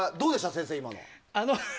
先生、今の。